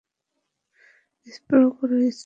Spray করো, spray.